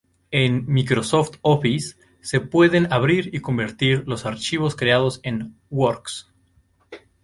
En Microsoft Office se pueden abrir y convertir los archivos creados en Works.